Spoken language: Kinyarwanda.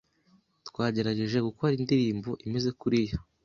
twagerageje gukora indirimbo imeze kuriya